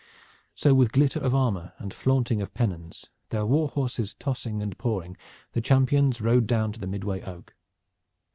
So, with glitter of armor and flaunting of pennons, their warhorses tossing and pawing, the champions rode down to the midway oak.